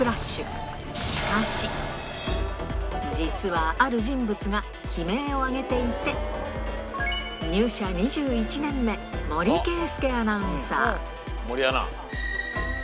しかし、実はある人物が悲鳴を上げていて、入社２１年目、森圭介アナウンサー。